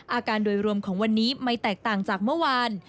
อาการโดยรวมของวันนี้ไม่แตกต่างจากเมื่อวาน